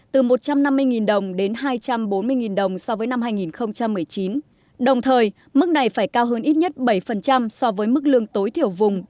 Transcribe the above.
từ một trăm năm mươi đồng đến hai trăm bốn mươi đồng so với năm hai nghìn một mươi chín đồng thời mức này phải cao hơn ít nhất bảy so với mức lương tối thiểu vùng